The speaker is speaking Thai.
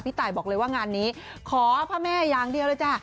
ตายบอกเลยว่างานนี้ขอพระแม่อย่างเดียวเลยจ้ะ